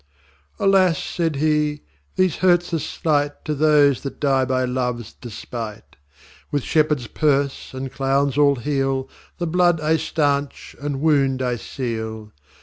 XI Alas! said He, these hurts are slight To those that dye by Loves despight. With Shepherds purse, and Clowns all heal, The Blood I stanch, and Wound I seal.